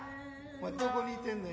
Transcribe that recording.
お前どこにいてんねん。